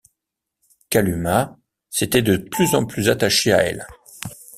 Kalumah s’était de plus en plus attachée à elle.